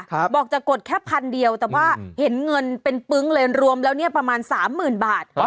บอกจะกดแค่พันเดียวแต่ว่าเห็นเงินเป็นปึ๊งเลยรวมแล้วเนี่ยประมาณสามหมื่นบาท